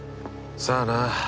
さあな。